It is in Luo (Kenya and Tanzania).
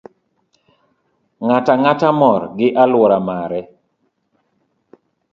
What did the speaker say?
Ng'ato ang'ata mor gi alwora maler.